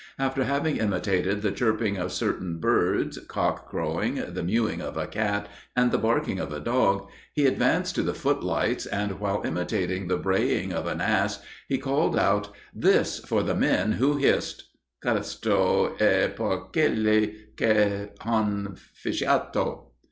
After having imitated the chirping of certain birds, cock crowing, the mewing of a cat, and the barking of a dog, he advanced to the footlights, and while imitating the braying of an ass, he called out "This for the men who hissed" (Questo è per quelli che han fischiato!)